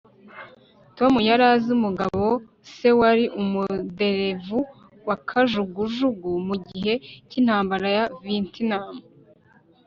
tom yari azi umugabo se wari umuderevu wa kajugujugu mugihe cyintambara ya vietnam